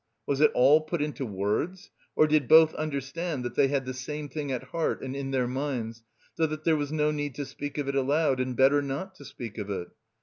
Was it all put into words, or did both understand that they had the same thing at heart and in their minds, so that there was no need to speak of it aloud, and better not to speak of it.